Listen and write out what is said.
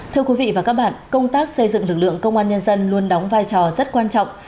thưa quý vị và các bạn công tác xây dựng lực lượng công an nhân dân luôn đóng vai trò rất quan trọng